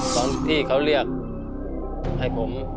ตอนที่เขาเรียกให้ผม